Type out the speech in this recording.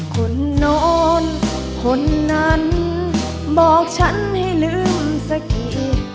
คนนอนคนนั้นบอกฉันให้ลืมสักที